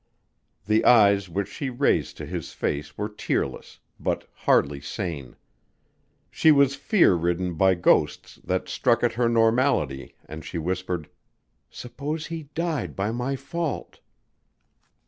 The eyes which she raised to his face were tearless but hardly sane. She was fear ridden by ghosts that struck at her normality and she whispered, "Suppose he died by my fault?"